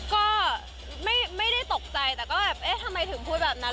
ก็ไม่ได้ตกใจแต่ก็แบบเอ๊ะทำไมถึงพูดแบบนั้น